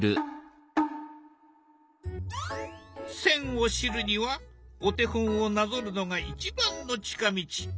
線を知るにはお手本をなぞるのが一番の近道。